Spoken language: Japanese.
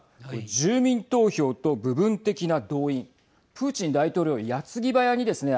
住民投票と部分的な動員プーチン大統領はやつぎばやにですね